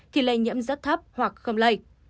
thì lây nhiễm rất thấp hoặc không lây